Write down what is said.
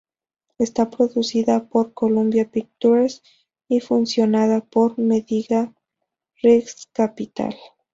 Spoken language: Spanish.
Está producida por Columbia Pictures y financiada por Media Rights Capital.